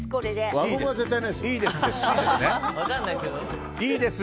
輪ゴムは絶対ないですよ。